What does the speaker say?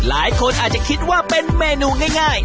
หลายคนอาจจะคิดว่าเป็นเมนูง่าย